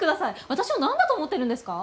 私を何だと思ってるんですか？